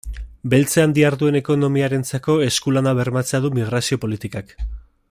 Beltzean diharduen ekonomiarentzako esku-lana bermatzen du migrazio politikak.